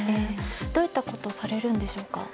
どういったことをされるんでしょうか？